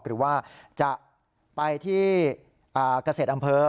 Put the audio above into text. หรือว่าจะไปที่เกษตรอำเภอ